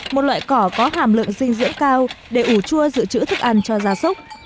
một loại cỏ có hàm lượng dinh dưỡng cao để ủ chua dự trữ thức ăn cho gia súc